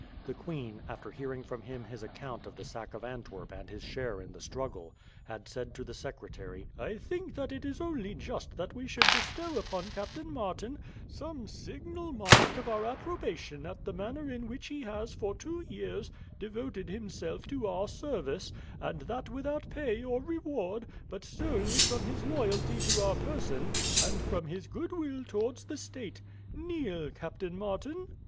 The queen, after hearing from him his account of the sack of Antwerp and his share in the struggle, had said to the Secretary, "I think that it is only just that we should bestow upon Captain Martin some signal mark of our approbation at the manner in which he has for two years devoted himself to our service, and that without pay or reward, but solely from his loyalty to our person, and from his goodwill towards the state. Kneel, Captain Martin."